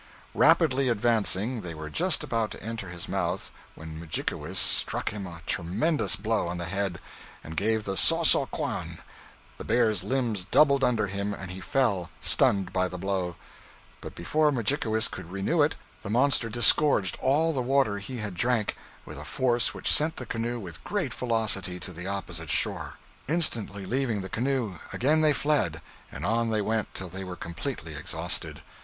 Rapidly advancing, they were just about to enter his mouth, when Mudjikewis struck him a tremendous blow on the head, and gave the saw saw quan. The bear's limbs doubled under him, and he fell, stunned by the blow. But before Mudjikewis could renew it, the monster disgorged all the water he had drank, with a force which sent the canoe with great velocity to the opposite shore. Instantly leaving the canoe, again they fled, and on they went till they were completely exhausted.